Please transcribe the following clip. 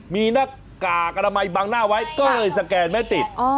มีหน้ากากอนามัยบังหน้าไว้ก็เลยสแกนไม่ติด